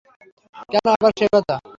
কেন আবার সে কথা।